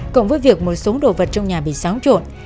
cộng với việc một số đồ vật trong nhà bị xáo trộn